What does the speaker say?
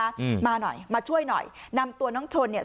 อืมมาหน่อยมาช่วยหน่อยนำตัวน้องชนเนี้ย